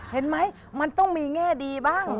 เห็นไหมมันต้องมีแง่ดีบ้าง